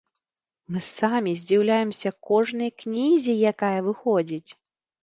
Мы самі здзіўляемся кожнай кнізе, якая выходзіць.